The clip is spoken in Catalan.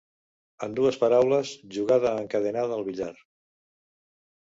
En dues paraules, jugada encadenada al billar.